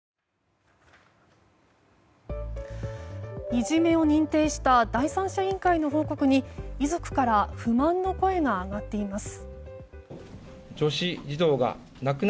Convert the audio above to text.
いじめを認定した第三者委員会の報告に遺族から不満の声が上がっています。